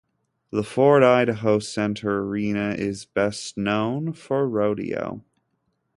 The Ford Idaho Center Arena is best known for rodeo.